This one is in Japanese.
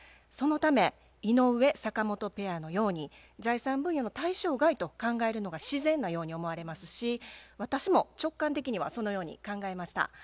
そのため井上・坂本ペアのように財産分与の対象外と考えるのが自然なように思われますし私も直感的にはそのように考えました。